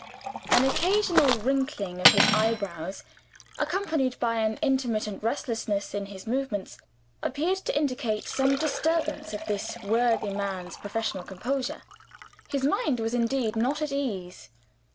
An occasional wrinkling of his eyebrows, accompanied by an intermittent restlessness in his movements, appeared to indicate some disturbance of this worthy man's professional composure. His mind was indeed not at ease.